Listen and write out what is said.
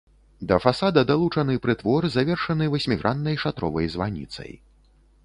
Да фасада далучаны прытвор, завершаны васьміграннай шатровай званіцай.